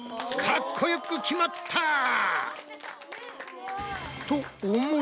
かっこよく決まったぁ！